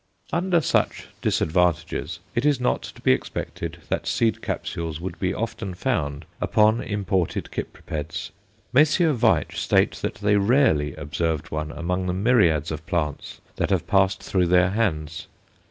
Under such disadvantages it is not to be expected that seed capsules would be often found upon imported Cypripeds. Messrs. Veitch state that they rarely observed one among the myriads of plants that have passed through their hands.